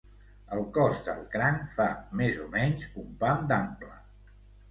El cos del cranc fa més o menys un pam d'ample.